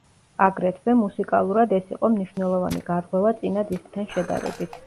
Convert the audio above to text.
აგრეთვე, მუსიკალურად ეს იყო მნიშვნელოვანი გარღვევა წინა დისკთან შედარებით.